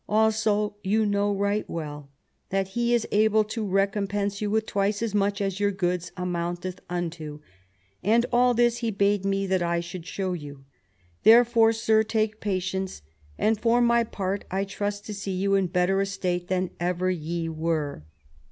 Also ye know right well that he is able to recompense you with twice as much as your goods amounteth unto : and all this he bade me that I should show you. There fore, sir, take patience ; and for my part^ I trust to see you in better estate than ever ye were."